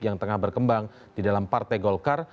yang tengah berkembang di dalam partai golkar